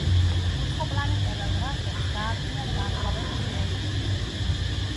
უცხოპლანეტელ რასებს გააჩნიათ განსხვავებული რელიგიები.